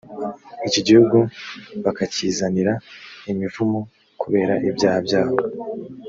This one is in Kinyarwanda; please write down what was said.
iki gihugu bakakizanira imivumo kubera ibyaha byabo